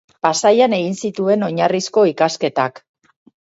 Pasaian egin zituen oinarrizko ikasketak.